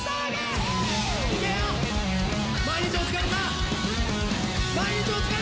毎日お疲れさん！